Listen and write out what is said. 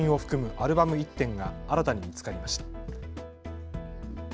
アルバム１点が新たに見つかりました。